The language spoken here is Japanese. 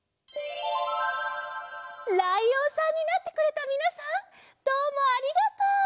ライオンさんになってくれたみなさんどうもありがとう！